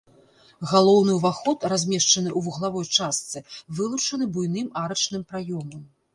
Галоўны ўваход, размешчаны ў вуглавой частцы, вылучаны буйным арачным праёмам.